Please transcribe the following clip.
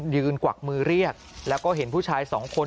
กวักมือเรียกแล้วก็เห็นผู้ชายสองคน